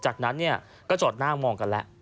จากนั้นก็จอดหน้ามองกันแล้ว